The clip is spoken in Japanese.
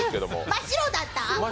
真っ白だった？